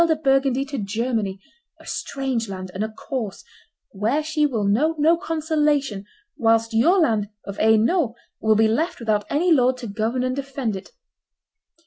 de Burgundy to Germany, a strange land and a coarse, where she will know no consolation, whilst your land of Hainault will be left without any lord to govern and defend it.